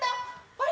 あれ？